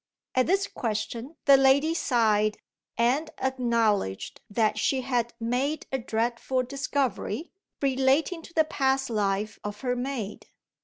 At this question the lady sighed, and acknowledged that she had "made a dreadful discovery," relating to the past life of her maid.